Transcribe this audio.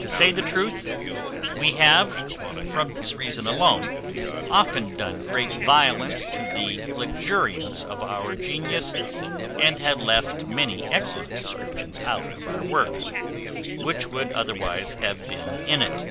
To say the truth, we have, from this reason alone, often done great violence to the luxuriance of our genius, and have left many excellent descriptions out of our work, which would otherwise have been in it.